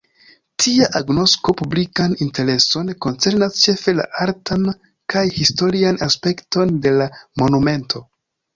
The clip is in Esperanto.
Tia agnosko publikan intereson koncernas ĉefe la artan kaj historian aspekton de la monumento.